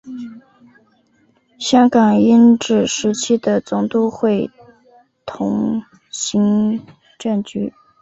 香港英治时期的总督会同行政局。